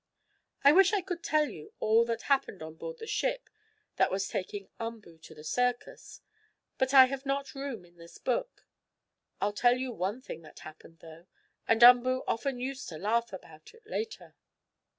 I wish I could tell you all that happened on board the ship, that was taking Umboo to the circus, but I have not room in this book. I'll tell you one thing that happened, though, and Umboo often used to laugh about it later.